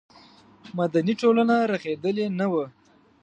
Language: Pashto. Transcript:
مدني ټولنه رغېدلې نه وه.